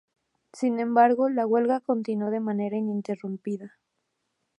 Sin embargo, la huelga continuó de manera ininterrumpida.